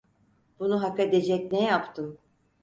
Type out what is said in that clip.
Bunu hak edecek ne yaptım?